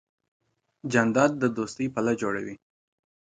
جانداد د دوستۍ پله جوړوي.